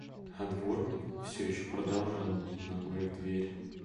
А дворник всё ещё продолжал бить ногой в дверь.